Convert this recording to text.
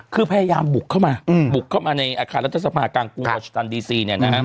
คือพยายามบุกเข้ามาอยู่ในอาคารรัฐสภาคังวัชโธนดีซี